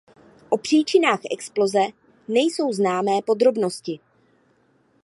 O příčinách exploze nejsou známé podrobnosti.